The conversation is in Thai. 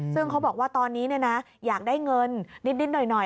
ซึ่งเขาบอกว่าตอนนี้อยากได้เงินนิดหน่อย